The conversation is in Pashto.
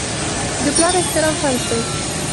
د پلار احترام فرض دی.